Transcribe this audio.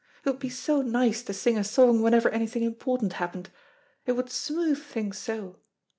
It would be so nice to sing a song whenever anything important happened. It would smooth things so.